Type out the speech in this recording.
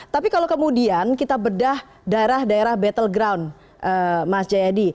tapi kalau kemudian kita bedah daerah daerah battle ground mas jayadi